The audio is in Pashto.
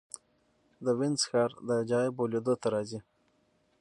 د وینز ښار د عجایبو لیدو ته راځي.